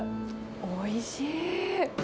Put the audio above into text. おいしい！